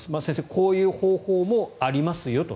こういう方法もありますよと。